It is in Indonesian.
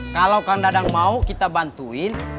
kalau kang dadang mau kita bantuin